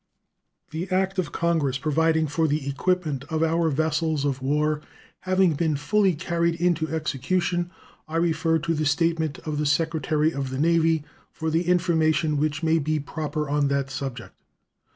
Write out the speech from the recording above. The act of Congress providing for the equipment of our vessels of war having been fully carried into execution, I refer to the statement of the Secretary of the Navy for the information which may be proper on that subject.